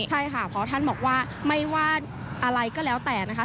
ใช่ค่ะเพราะท่านบอกว่าไม่ว่าอะไรก็แล้วแต่นะคะ